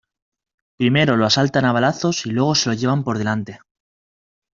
primero lo asaltan a balazos y luego se lo lleva por delante